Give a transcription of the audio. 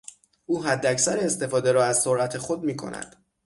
او حداکثر استفاده را از سرعت خود می کند.